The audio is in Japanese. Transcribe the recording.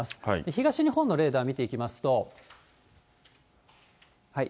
東日本のレーダー見ていきますと。